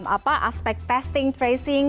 kemudian kapasitas aspek testing tracing